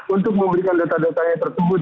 untuk memberikan data datanya tersebut